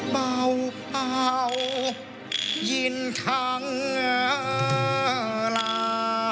เบาเป่ายินทั้งลา